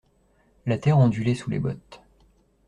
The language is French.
La terre ondulait sous les bottes.